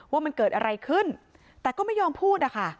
ว่ามันเกิดอะไรขึ้นด้านนั้นก็ไม่พูด